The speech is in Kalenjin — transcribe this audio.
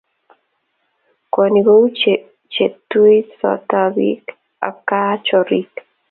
kwoni kou cheituisot biik ako kaa choriik